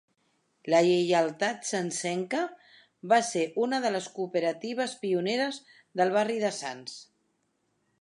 La Lleialtat Santsenca va ser una de les cooperatives pioneres del barri de Sants.